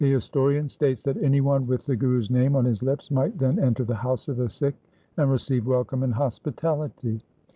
The historian states that any one with the Guru's name on his lips might then enter the house of a Sikh and receive welcome and hospitality.